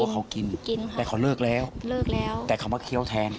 ค่ะกินค่ะเลิกแล้วแต่เขามาเคี้ยวแทน